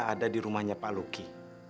ada di rumahnya pak luki